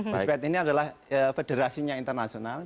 puspet ini adalah federasinya internasional